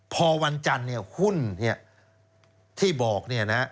พอวันจันทรัพย์หุ้นที่บอก